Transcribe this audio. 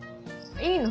いいの？